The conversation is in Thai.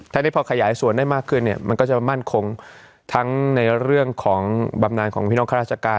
ถ้าได้พอขยายส่วนได้มากขึ้นเนี่ยมันก็จะมั่นคงทั้งในเรื่องของบำนานของพี่น้องข้าราชการ